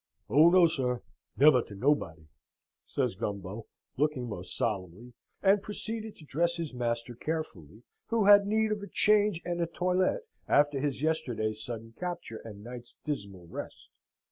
"Oh no, sir, never to nobody!" says Gumbo, looking most solemnly, and proceeded to dress his master carefully, who had need of a change and a toilette after his yesterday's sudden capture, and night's dismal rest.